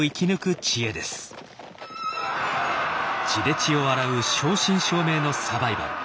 血で血を洗う正真正銘のサバイバル。